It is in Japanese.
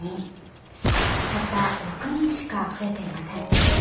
たった６人しか増えていません。